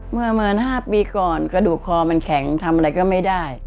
เมื่อเหมือน๕ปีก่อนกระดูกคอมันแข็งทำอะไรก็ไม่ได้